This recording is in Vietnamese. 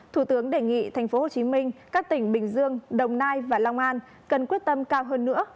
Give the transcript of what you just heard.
thủ tướng đề nghị tp hcm các tỉnh bình dương đồng nai và long an cần quyết tâm cao hơn nữa